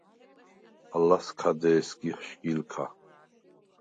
ალას ქა დე̄სგიხ შგილქა.